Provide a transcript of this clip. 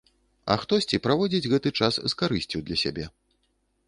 А хтосьці праводзіць гэты час з карысцю для сябе.